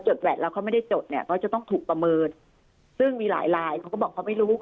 แวดแล้วเขาไม่ได้จดเนี่ยเขาจะต้องถูกประเมินซึ่งมีหลายลายเขาก็บอกเขาไม่รู้